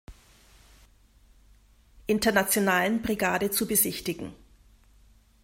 Internationalen Brigade zu besichtigen.